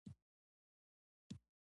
موږ به د سهار چاي وڅښو